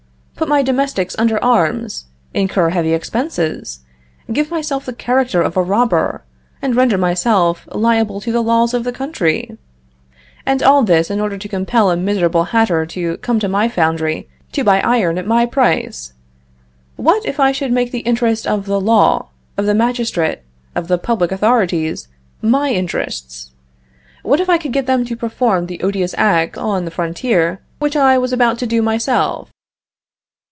put my domestics under arms! incur heavy expenses! give myself the character of a robber, and render myself liable to the laws of the country! And all this in order to compel a miserable hatter to come to my foundry to buy iron at my price! What if I should make the interest of the law, of the magistrate, of the public authorities, my interests? What if I could get them to perform the odious act on the frontier which I was about to do myself?"